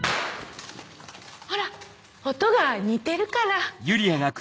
ほら音が似てるから。